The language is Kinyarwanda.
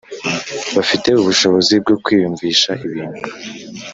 bafite ubushobozi bwo kwiyumvisha ibintu.